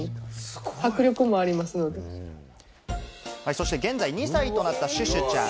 そして現在２歳となったシュシュちゃん。